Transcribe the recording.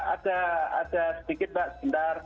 ada sedikit mbak sebentar